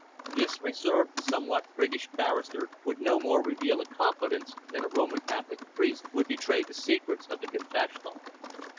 This reserved, somewhat priggish barrister would no more reveal a confidence than a Roman Catholic priest would betray the secrets of the confessional.